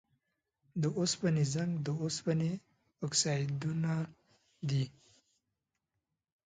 د اوسپنې زنګ د اوسپنې اکسایدونه دي.